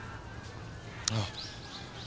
ああ。